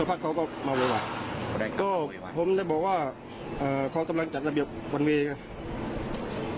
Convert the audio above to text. ผมจะบอกว่าเขาเต้นแรงจัดระเบียบจังหวันเวียบ